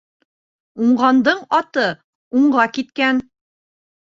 Уңғандың аты уңға киткән.